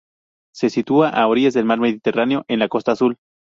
Se sitúa a orillas del mar Mediterráneo, en la Costa Azul.